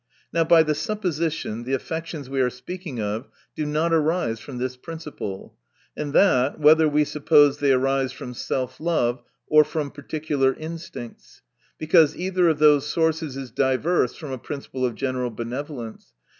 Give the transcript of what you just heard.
Now by the supposition, the affections we are speaking of do not arise from this principle ; and that, whether Ave suppose they arise from self love, or from particular instincts ; because either of those sources is diverse from a principle of general benevolence.